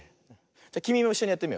じゃきみもいっしょにやってみるよ。